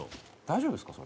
大丈夫ですか？